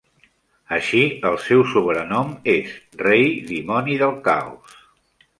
Així, el seu sobrenom és "Rei Dimoni del Caos".